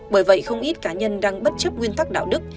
bởi vậy không ít cá nhân đang bất chấp nguyên tắc đạo đức